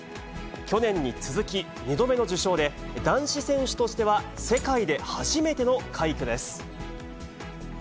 去年に続き２度目の受賞で、男子選手としては世界で初めての快挙です。